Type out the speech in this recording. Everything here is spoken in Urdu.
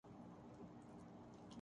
ویسے لگتے آپ پچیس کے ہیں۔